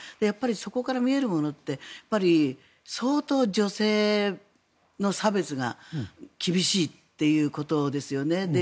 そこから見えるものって相当、女性の差別が厳しいということですよね。